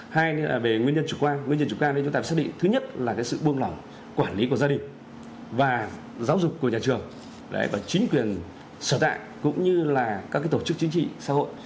hai nữa là về nguyên nhân chủ quan nguyên nhân chủ quan nên chúng ta phải xác định thứ nhất là sự buông lỏng quản lý của gia đình và giáo dục của nhà trường và chính quyền sở tại cũng như là các tổ chức chính trị xã hội